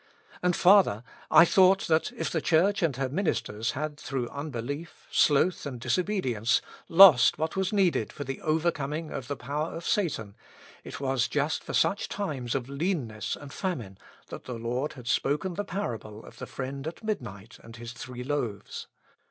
And farther, I thought that if the Church and her ministers had, through unblief, sloth, and disobedience, lost what was needed for the over coming of the power of Satan, it was just for such times of leanness and famine that the Lord had spoken the parable of the friend at midnight and his three loaves.